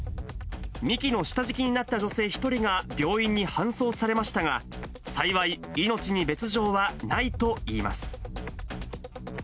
幹の下敷きになった女性１人が病院に搬送されましたが、幸い、命に別状はないといいます。